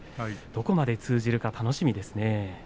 どこまで通じるか楽しみですね。